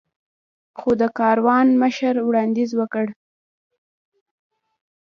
خو د کاروان مشر وړاندیز وکړ.